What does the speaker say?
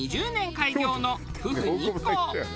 開業のふふ日光。